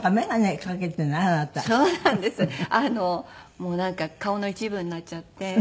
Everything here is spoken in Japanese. もうなんか顔の一部になっちゃって。